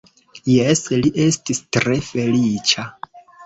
Jes, li estis tre feliĉa.